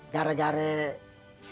di mas atas